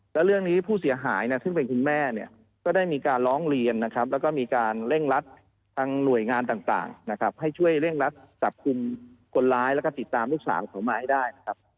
แล้วเรื่องนี้ผู้เสียหายซึ่งเป็นคุณแม่เนี่ยก็ได้มีการร้องเรียนนะครับแล้วก็มีการเร่งรัดทางหน่วยงานต่างนะครับให้ช่วยเร่งรัดจับกลุ่มคนร้ายแล้วก็ติดตามลูกสาวของมาให้ได้นะครับ